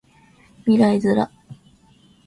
未来ズラ